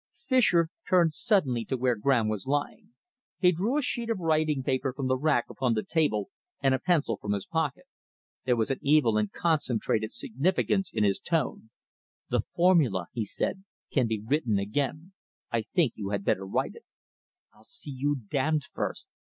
Fischer turned suddenly to where Graham was lying. He drew a sheet of writing paper from the rack upon the table, and a pencil from his pocket. There was an evil and concentrated significance in his tone. "That formula," he said, "can be written again. I think you had better write it." "I'll see you damned first!"